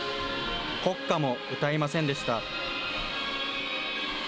国歌も歌いませんでした。